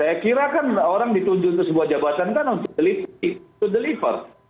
saya kira kan orang ditunjuk untuk sebuah jabatan kan untuk deliver